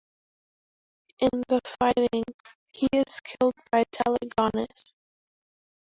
In the fighting, he is killed by Telegonus.